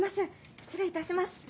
失礼いたします。